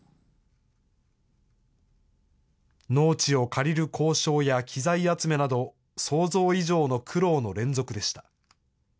農地を借りる交渉や機材集めなど、想像以上の苦労の連続でした。